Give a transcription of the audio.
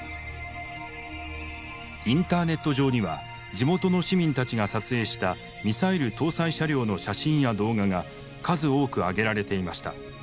インターネット上には地元の市民たちが撮影したミサイル搭載車両の写真や動画が数多く上げられていました。